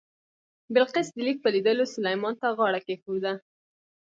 بلقیس د لیک په لیدلو سلیمان ته غاړه کېښوده.